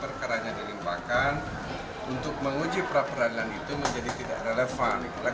perkaranya dilimpahkan untuk menguji pra peradilan itu menjadi tidak relevan